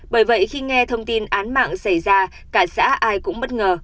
bởi vậy khi nghe thông tin án mạng xảy ra cả xã ai cũng bất ngờ